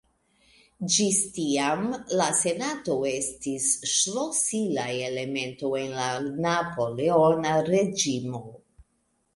Ĝis tiam la Senato estis ŝlosila elemento en la Napoleona reĝimo.